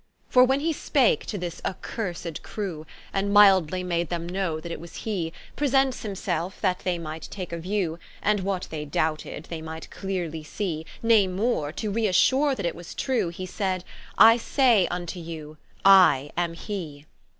For when he spake to this accursed crew, And mildely made them know that it was he: Presents himselfe, that they might take a view; And what they doubted they might cleerely see; Nay more, to re assure that it was true, He said: I say vnto you, I am hee.